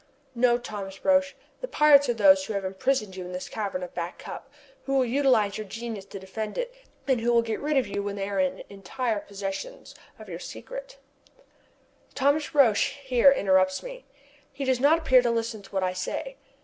"No, Thomas Roch, the pirates are those who have imprisoned you in this cavern of Back Cup, who will utilize your genius to defend it, and who will get rid of you when they are in entire possession of your secrets!" Thomas Roch here interrupts me. He does not appear to listen to what I say.